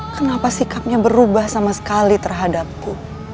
kenapa sikapnya berubah sama sekali terhadapku